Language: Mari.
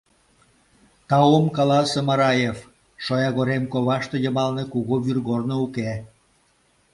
Таум каласе, Мараев, шоягорем коваште йымалне кугу вӱргорно уке...